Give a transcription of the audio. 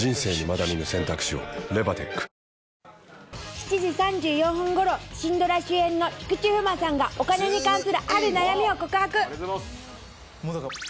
７時３４分ごろ、しんどら主演の菊池風磨さんがお金に関するある悩みを告白。